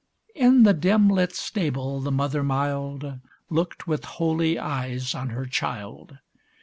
In the dim lit stable the mother mild Looked with holy eyes on her child.